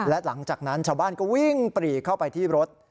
และหลังจากนั้นชาวบ้านก็วิ่งปรีเข้าไปที่รถ